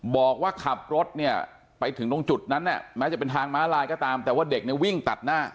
บอกว่าขับรถเนี่ยไปถึงตรงจุดนั้นเนี่ยแม้จะเป็นทางม้าลายก็ตามแต่ว่าเด็กเนี่ยวิ่งตัดหน้า